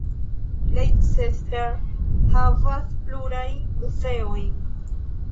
Leicester havas plurajn muzeojn.